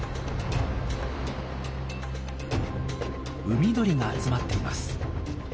海鳥が集まっています。